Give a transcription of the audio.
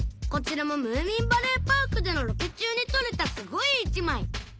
こちらもムーミンバレーパークでのロケ中に撮れたすごい１枚